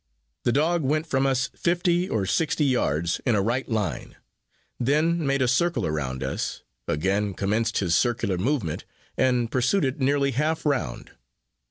The dog went from us fifty or sixty yards, in a right line, then made a circle around us, again commenced his circular movement, and pursued it nearly half round.